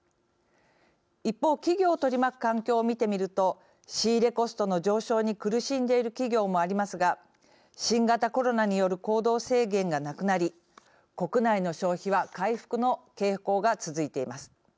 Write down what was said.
一方企業を取り巻く環境を見てみると仕入れコストの上昇に苦しんでいる企業もありますが新型コロナによる行動制限がなくなり国内の消費は回復の傾向が続いています。